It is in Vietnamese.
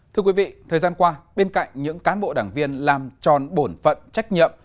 thưa quý vị thời gian qua bên cạnh những cán bộ đảng viên làm tròn bổn phận trách nhậm